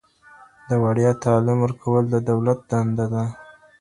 د وړیا تعلیم ورکول د دولت دنده ده.